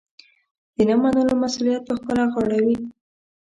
د نه منلو مسوولیت پخپله غاړه وي.